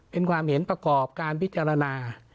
เป็นความเห็นประกอบการพิจารณา